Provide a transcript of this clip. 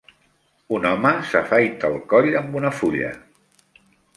Un home s'afaita el coll amb una fulla.